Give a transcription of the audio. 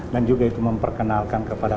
dan juga itu memperkenalkan kepada